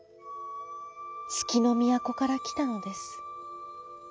つきのみやこからきたのです。